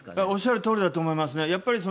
おっしゃるとおりだと思いますね。